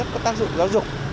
có tác dụng giáo dục